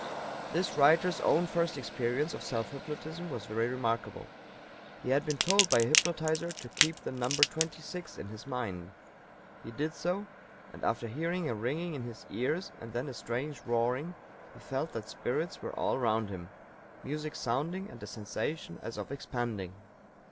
This writer's own first experience of self hypnotism was very remarkable. He had been told by a hypnotizer to keep the number twenty six in his mind. He did so, and after hearing a ringing in his ears and then a strange roaring he felt that spirits were all round him music sounding and a sensation as of expanding.